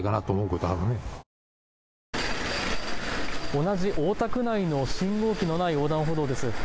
同じ大田区内の信号機のない横断歩道です。